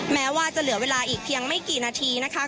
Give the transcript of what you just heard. แม้ว่าจะเหลือเวลาอีกเพียงไม่กี่นาทีนะคะ